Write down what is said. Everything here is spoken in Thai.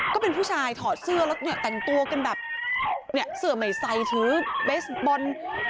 ก็เป็นผู้ชายถอดเสื้อแล้วเนี่ยแต่งตัวกันแบบเนี่ยเสื้อใหม่ใส่ถือเบสบอล